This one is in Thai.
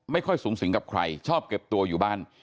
ไม่ค่อยสูงสิงกับใครชอบเก็บตัวอยู่บ้าน